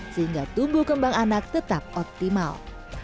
sehingga tumbuh kembang anak tetap optimal